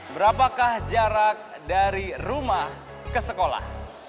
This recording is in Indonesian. berapakah jarak dari rumah ke sekolah